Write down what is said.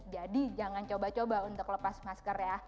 jadi jangan coba coba untuk lepas masker ya